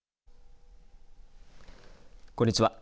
こんにちは。